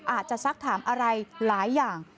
อาจจะสักถามอะไรหลายอย่าง